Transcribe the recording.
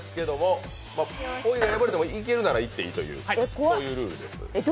ポイが敗れても、いけるならいってもいいというルールです。